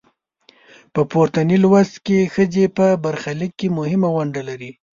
په پورتني لوست کې ښځې په برخلیک کې مهمه نډه لري.